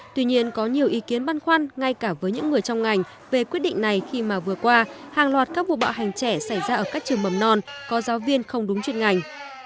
tuy nhiên có nhiều ý kiến băn khoăn ngay cả với những người trong ngành về quyết định này khi mà vừa qua hàng loạt các vụ bạo hành trẻ xảy ra ở các trường mầm non có giáo viên không đúng chuyên ngành